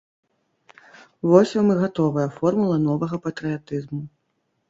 Вось вам і гатовая формула новага патрыятызму.